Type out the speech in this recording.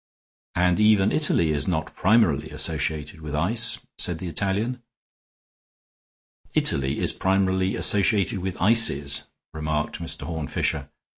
"And even Italy is not primarily associated with ice," said the Italian. "Italy is primarily associated with ices," remarked Mr. Horne Fisher.